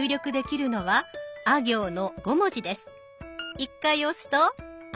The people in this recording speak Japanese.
１回押すと「あ」。